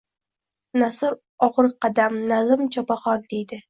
Nasr o‘gir qadam, nazm chopag‘on deydi.